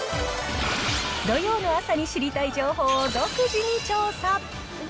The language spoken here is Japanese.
土曜の朝に知りたい情報を独自に調査。